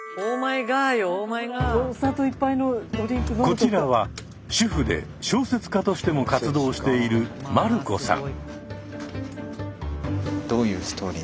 こちらは主婦で小説家としても活動している丸子さん。